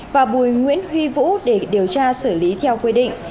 và bùi nguyễn huy vũ để điều tra xử lý theo quy định